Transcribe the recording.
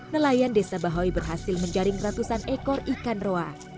nelayan desa bahoy berhasil menjaring ratusan ekor ikan roa